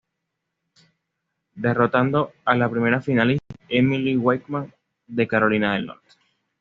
Derrotando a la primera finalista, Emily Wakeman de Carolina del Norte.